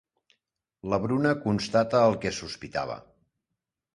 La Bruna constata el que sospitava.